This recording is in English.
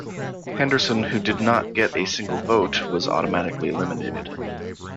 Henderson, who did not get a single vote, was automatically eliminated.